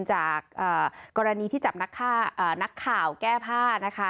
จากกรณีที่จับนักข่าวแก้ผ้านะคะ